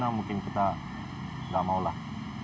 filipina mungkin kita tidak maulah